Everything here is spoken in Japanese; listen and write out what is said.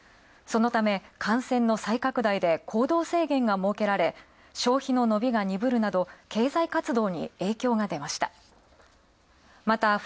そのため、感染の再拡大で行動制限が設けられ消費伸びが鈍るなど経済活動に影響が出ました。